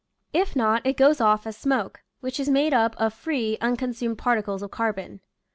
If not, it goes off as smoke, which is made up of free (unconsumed) particles of carbon.